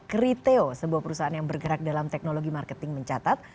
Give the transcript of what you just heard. kriteo sebuah perusahaan yang bergerak dalam teknologi marketing mencatat